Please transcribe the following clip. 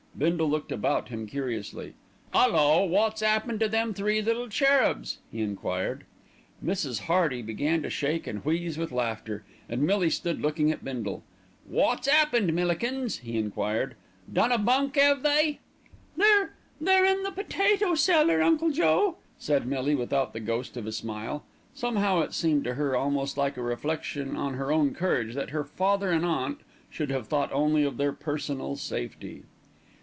Bindle looked about him curiously. "'Ullo! wot's 'appened to them three little cherubs?" he enquired. Mrs. Hearty began to shake and wheeze with laughter, and Millie stood looking at Bindle. "Wot's 'appened, Millikins?" he enquired. "Done a bunk, 'ave they?" "They're they're in the potato cellar, Uncle Joe," said Millie without the ghost of a smile. Somehow it seemed to her almost like a reflection on her own courage that her father and aunt should have thought only of their personal safety.